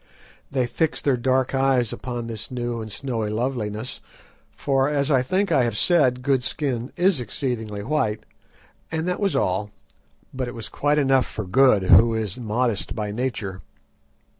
They fixed their dark eyes upon this new and snowy loveliness, for, as I think I have said, Good's skin is exceedingly white, and that was all. But it was quite enough for Good, who is modest by nature.